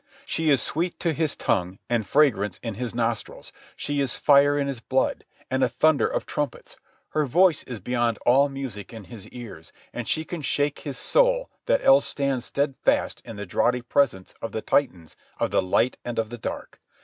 She is sweet to his tongue, and fragrance in his nostrils. She is fire in his blood, and a thunder of trumpets; her voice is beyond all music in his ears; and she can shake his soul that else stands steadfast in the draughty presence of the Titans of the Light and of the Dark.